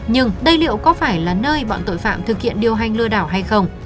nhưng đây liệu có phải là nơi bọn tội phạm thực hiện điều hành lừa đảo hay không